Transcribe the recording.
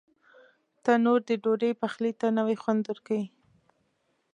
تنور د ډوډۍ پخلي ته نوی خوند ورکوي